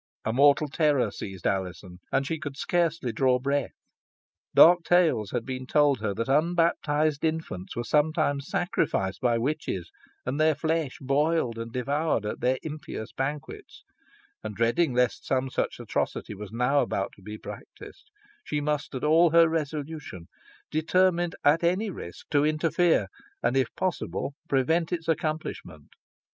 A mortal terror seized Alizon, and she could scarcely draw breath. Dark tales had been told her that unbaptised infants were sometimes sacrificed by witches, and their flesh boiled and devoured at their impious banquets, and dreading lest some such atrocity was now about to be practised, she mustered all her resolution, determined, at any risk, to interfere, and, if possible, prevent its accomplishment.